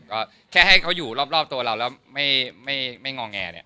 ก็แค่ให้เขาอยู่รอบตัวเราแล้วไม่งอแงเนี่ย